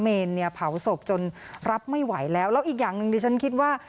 เนรเนี่ยเผาศพจนรับไม่ไหวแล้วแล้วอีกอย่างหนึ่งดิฉันคิดว่า